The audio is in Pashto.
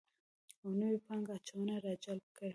او نوې پانګه اچونه راجلب کړي